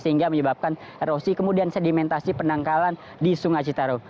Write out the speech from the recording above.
sehingga menyebabkan erosi kemudian sedimentasi penangkalan di sungai citarum